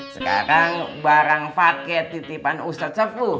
sekarang barang paket titipan ustadz sepuh